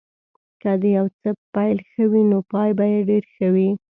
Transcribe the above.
که د یو څه پيل ښه وي نو پای به یې ډېر ښه وي.